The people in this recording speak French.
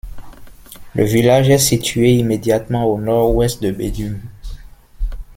Le village est situé immédiatement au nord-ouest de Bedum.